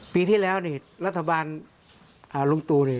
ปีที่แล้วนี่รัฐบาลลุงตู่นี่